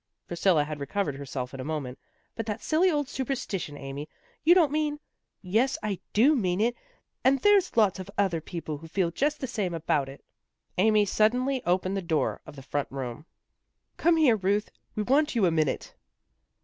Priscilla had recovered her self in a moment. " But that silly old super stition, Amy. You don't mean " Yes, I do mean it. And there's lots of other people who feel just the same about it." Amy suddenly opened the door of the front room. " Come here, Ruth, we want you a minute."